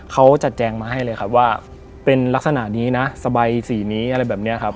เขาจัดแจงมาให้เลยครับว่าเป็นลักษณะนี้นะสบายสีนี้อะไรแบบนี้ครับ